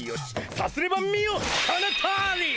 さすれば見よこのとおり！